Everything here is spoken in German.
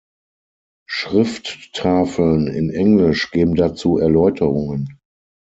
Schrifttafeln in Englisch geben dazu Erläuterungen.